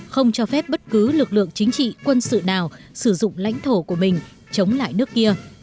không cho phép bất cứ lực lượng chính trị quân sự nào sử dụng lãnh thổ của mình chống lại nước kia